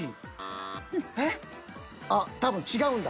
あっ多分違うんだ。